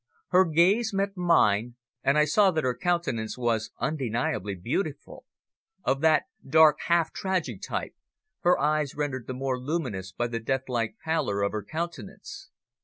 Her gaze met mine, and I saw that her countenance was undeniably beautiful, of that dark, half tragic type, her eyes rendered the more luminous by the death like pallor of her countenance.